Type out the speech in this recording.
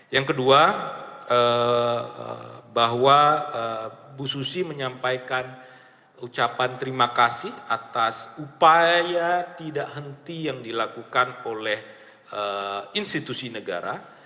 yang kedua bahwa bu susi menyampaikan ucapan terima kasih atas upaya tidak henti yang dilakukan oleh institusi negara